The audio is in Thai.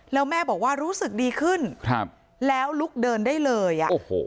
แล้วแม่บอกว่ารู้สึกดีขึ้นแล้วลุกเดินได้เลย